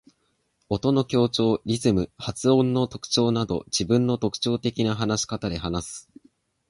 音の強調、リズム、発音の特徴など自分の特徴的な話し方で話す。